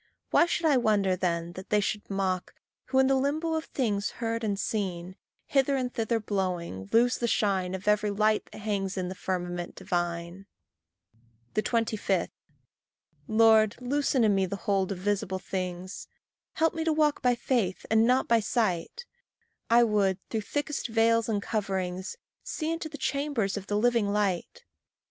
Why should I wonder then that they should mock, Who, in the limbo of things heard and seen, Hither and thither blowing, lose the shine Of every light that hangs in the firmament divine. 25. Lord, loosen in me the hold of visible things; Help me to walk by faith and not by sight; I would, through thickest veils and coverings, See into the chambers of the living light.